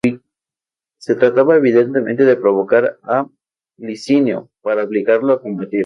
Se trataba evidentemente de provocar a Licinio para obligarlo a combatir.